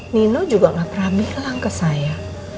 nino juga gak pernah bilang ke saya